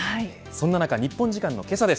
そんな中、日本時間のけさです。